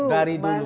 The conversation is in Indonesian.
dari dulu bandung